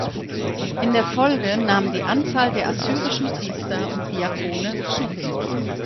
In der Folge nahm die Anzahl der assyrischen Priester und Diakone zu.